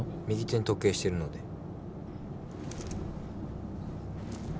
右手に時計してるので。